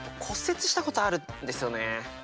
骨折したことあるんですよね。